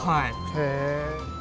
へえ。